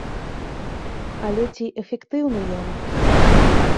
Але ці эфектыўны ён?